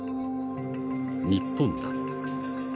日本だ。